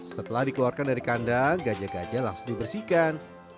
setelah dikeluarkan dari kandang gajah gajah langsung dibersihkan